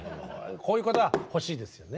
こういう言葉が欲しいですよね。